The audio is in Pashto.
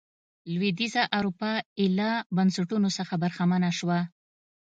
لوېدیځه اروپا ایله بنسټونو څخه برخمنه شوه.